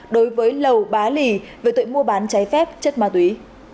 đối với lầu bá lì về tội mua bán trái phép chất ma túy